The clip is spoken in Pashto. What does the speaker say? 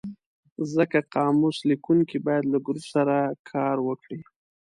ځکه قاموس لیکونکی باید له ګروپ سره کار وکړي.